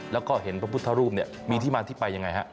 แล้วก็เห็นพระพุทธรูปมีที่มาที่ไปยังไงฮะ